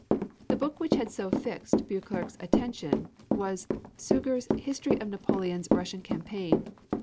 The book which had so fixed Beauclerc's attention, was Segur's History of Napoleon's Russian Campaign.